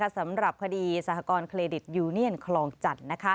สำหรับคดีสหกรแลยยคลองจันทร์